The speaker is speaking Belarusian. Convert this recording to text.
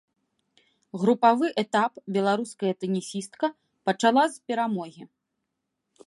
Групавы этап беларуская тэнісістка пачала з перамогі.